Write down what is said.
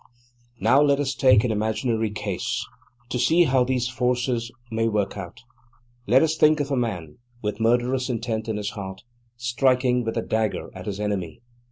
Now let us take an imaginary case, to see how these forces may work out. Let us think of a man, with murderous intent in his heart, striking with a dagger at his enemy.